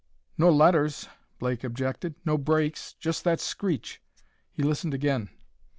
"No letters," Blake objected; "no breaks; just that screech." He listened again.